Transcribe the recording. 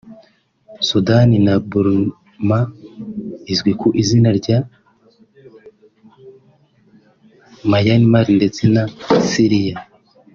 Sudan na Burma izwi ku izina rya Myanmar ndetse na Syria